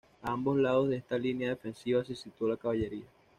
A ambos lados de esta línea defensiva se situó la caballería.